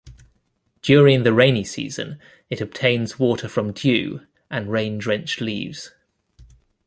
During the rainy season it obtains water from dew and rain drenched leaves.